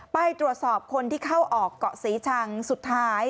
ไปตรวจสอบคนที่เข้าออกเกาะศรีชังสุดท้าย